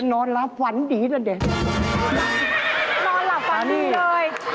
นอนหลับฝันดีเลย